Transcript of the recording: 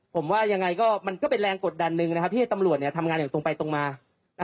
ผมว่ายังไงก็มันก็เป็นแรงกดดันหนึ่งนะครับที่ให้ตำรวจเนี่ยทำงานอย่างตรงไปตรงมานะครับ